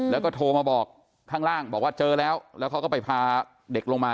แล้วก็โทรมาบอกข้างล่างบอกว่าเจอแล้วแล้วเขาก็ไปพาเด็กลงมา